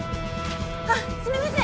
あっすみません！